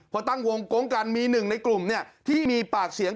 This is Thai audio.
พอตั้งวงโก๊งกันมีหนึ่งในกลุ่มที่มีปากเสียง